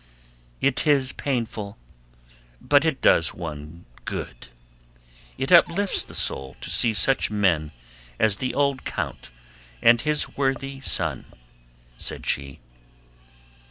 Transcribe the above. "It is painful, but it does one good. It uplifts the soul to see such men as the old count and his worthy son," said she.